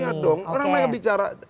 iya dong orang lain bicara